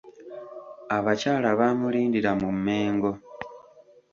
Abakyala baamulindira mu Mmengo.